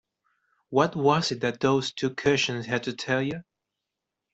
What was it that those two cushions had to tell you?